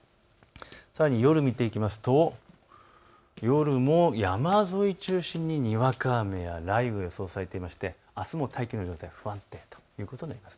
さらに夜、見ていきますと夜も山沿いを中心ににわか雨や雷雨が予想されていましてあすも大気の状態、不安定ということになります。